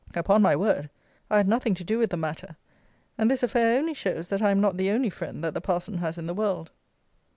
Upon my word, I had nothing to do with the matter, and this affair only shows that I am not the only friend that the parson has in the world.